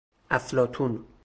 افلاطون